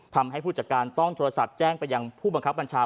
ผู้จัดการต้องโทรศัพท์แจ้งไปยังผู้บังคับบัญชา